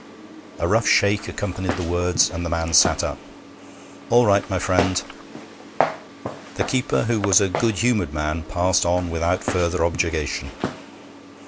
A rough shake accompanied the words, and the man sat up. 'All right, my friend.' The keeper, who was a good humoured man, passed on without further objurgation.